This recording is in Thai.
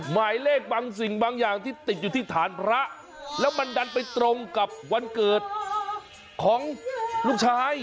หมายเลขบางสิ่งบางอย่างที่ติดอยู่ที่ฐานพระแล้วมันดันไปตรงกับวันเกิดของลูกชาย